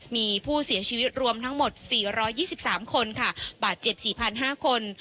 มีผู้เสียชีวิตรวมทั้งหมด๔๒๓คนค่ะบาดเจ็บ๔๕คน